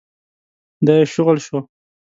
دا يې شغل شو.